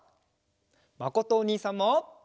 まことおにいさんも。